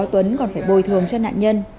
tuấn còn phải bồi thường cho nạn nhân